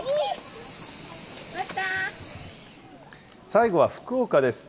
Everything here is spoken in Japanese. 最後は福岡です。